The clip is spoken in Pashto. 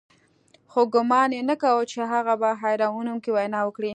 خو ګومان یې نه کاوه چې هغه به حیرانوونکې وینا وکړي